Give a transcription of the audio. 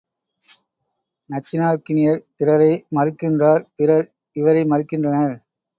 நச்சினார்க்கினியர் பிறரை மறுக்கின்றார் பிறர் இவரை மறுக்கின்றனர்.